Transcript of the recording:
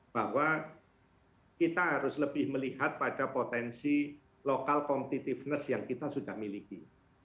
bahwa kita harus lebih melihat pada potensi local competitiveness yang kita sudah miliki